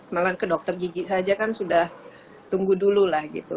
malah ke dokter gigi saja kan sudah tunggu dulu lah gitu